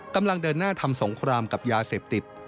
กำลังเดินหน้าทำสงครามกับยาเสพติด